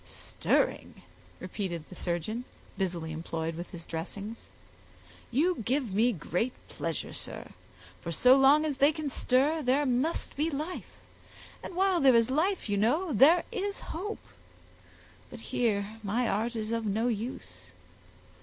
"Stirring!" repeated the surgeon, busily employed with his dressings; "you give me great pleasure, sir; for so long as they can stir there must be life; and while there is life, you know, there is hope; but here my art is of no use.